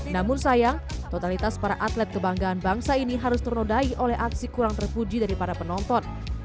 namun sayang totalitas para atlet kebanggaan bangsa ini harus ternodai oleh aksi kurang terpuji dari para penonton